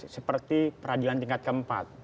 seperti peradilan tingkat keempat